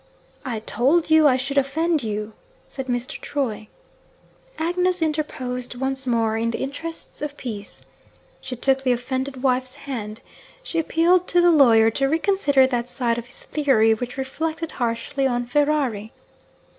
'I told you I should offend you!' said Mr. Troy. Agnes interposed once more in the interests of peace. She took the offended wife's hand; she appealed to the lawyer to reconsider that side of his theory which reflected harshly on Ferrari.